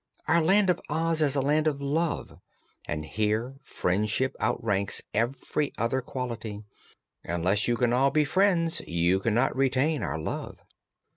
Our Land of Oz is a Land of Love, and here friendship outranks every other quality. Unless you can all be friends, you cannot retain our love."